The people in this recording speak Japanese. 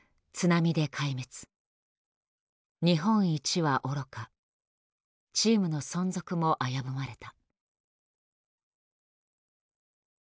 「日本一」はおろかチームの存続も危ぶまれた。